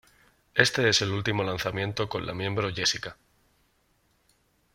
Este es el último lanzamiento con la miembro Jessica.